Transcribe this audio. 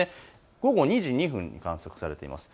午後２時２分に観測されています。